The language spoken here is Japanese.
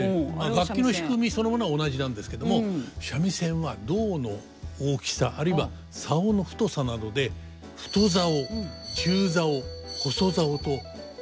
楽器の仕組みそのものは同じなんですけども三味線は胴の大きさあるいは棹の太さなどで太棹中棹細棹と大別されているわけです。